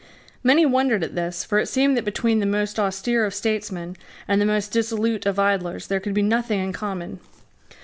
Many wondered at this: for it seemed that between the most austere of statesmen and the most dissolute of idlers there could be nothing in common.